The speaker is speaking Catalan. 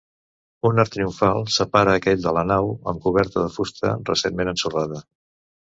Un arc triomfal separa aquell de la nau amb coberta de fusta recentment ensorrada.